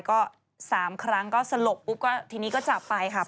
ก็๓ครั้งก็สลบทีนี้ก็จับไป